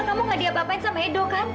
terima kasih ya tante